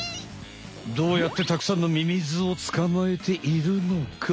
どうやって沢山のミミズを捕まえているのか？